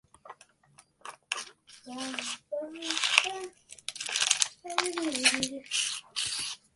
She has a younger sister, Kim, who is married to composer Russell Fetherolf.